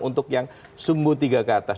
untuk yang sumbu tiga ke atas